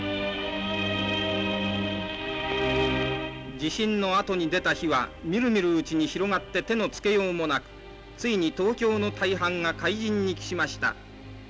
地震のあとに出た火はみるみるうちに広がって手のつけようもなくついに東京の大半が灰じんに帰しました。